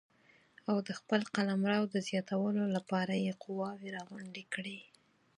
او د خپل قلمرو د زیاتولو لپاره یې قواوې راغونډې کړې.